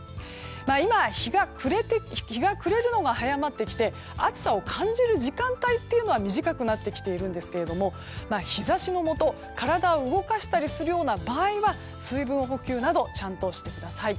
今、日が暮れるのが早まってきて暑さを感じる時間帯というのは短くなってきているんですけども日差しのもと体を動かしたりするような場合は水分補給などちゃんとしてください。